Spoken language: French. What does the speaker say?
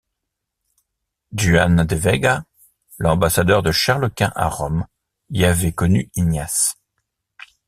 Juan de Vega, l'ambassadeur de Charles Quint à Rome, y avait connu Ignace.